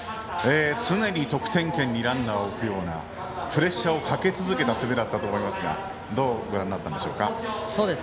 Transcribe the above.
常に得点圏にランナーを置くようなプレッシャーをかけ続けた攻めだったと思いますがどうご覧になったんでしょうか？